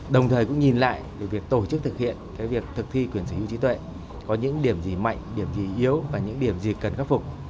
đồng thời cũng nhìn lại việc tổ chức thực hiện việc thực thi quyền sở hữu trí tuệ có những điểm gì mạnh điểm gì yếu và những điểm gì cần khắc phục